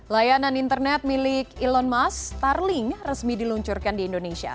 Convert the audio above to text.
layanan internet milik elon musk starling resmi diluncurkan di indonesia